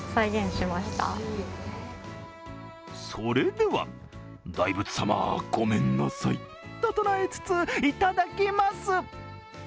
それでは大仏さま、ごめんなさいと唱えつつ、いただきます。